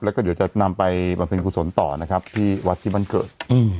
แล้วก็เดี๋ยวจะนำไปปริกษลต่อนะครับที่วัดบ้านเกิด